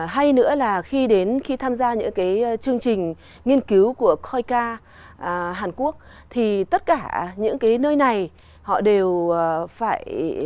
hay nữa là khi đến khi tham gia những cái chương trình nghiên cứu của khoika hàn quốc thì tất cả những cái nơi này họ đều phải